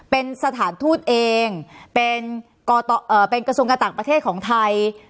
เป็นสถานทูตเองเป็นกระทับประเทศของไทย